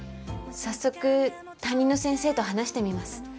早速担任の先生と話してみます。